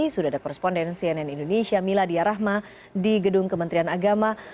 sudah ada koresponden cnn indonesia miladia rahma di gedung kementerian agama